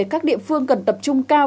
các địa phương cần tập trung cao